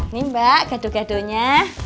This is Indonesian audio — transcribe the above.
nih mbak gaduh gaduhnya